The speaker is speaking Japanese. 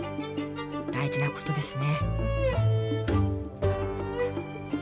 大事なことですね。